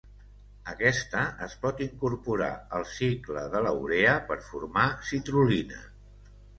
Aquesta es pot incorporar al cicle de la urea per formar citrul·lina.